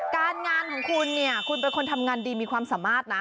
การงานของคุณเนี่ยคุณเป็นคนทำงานดีมีความสามารถนะ